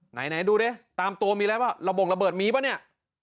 ไหนดูดิตามตัวมีอะไรป่ะระบงระเบิดมีป่ะเนี่ย